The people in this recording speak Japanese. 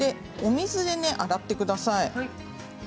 お水で洗ってください。